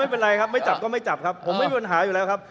ไม่เป็นไรครับไม่จับก็ไม่จับครับผมไม่มีปัญหาอยู่แล้วครับ